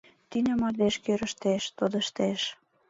Тӱнӧ мардеж кӱрыштеш, тодыштеш...